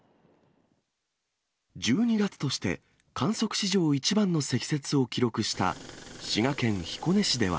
１２月として観測史上一番の積雪を記録した滋賀県彦根市では。